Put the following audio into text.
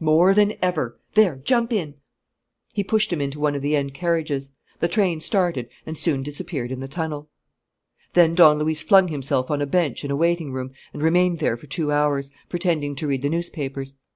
"More than ever. There, jump in!" He pushed him into one of the end carriages. The train started and soon disappeared in the tunnel. Then Don Luis flung himself on a bench in a waiting room and remained there for two hours, pretending to read the newspapers.